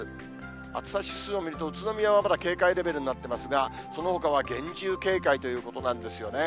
暑さ指数を見ると、宇都宮はまだ警戒レベルになってますが、そのほかは厳重警戒ということなんですよね。